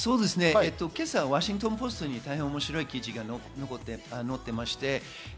今朝、ワシントン・ポストに面白い記事が載っていました。